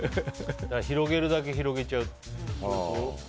広げるだけ広げちゃうってこと？